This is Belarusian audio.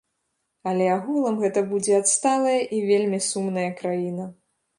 Але агулам гэта будзе адсталая і вельмі сумная краіна.